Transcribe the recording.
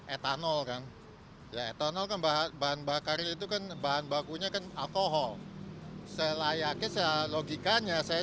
etanol kan ya etanol kan bahan bakar itu kan bahan bakunya kan alkohol selayaknya logikanya saya